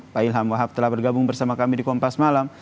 pak ilham wahab telah bergabung bersama kami di kompas malam